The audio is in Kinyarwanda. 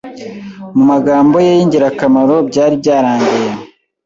mu magambo ye y'ingirakamaro "byari byarangiye